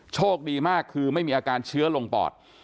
โชคดีมากคือไม่มีอาการเชื้อลงปอด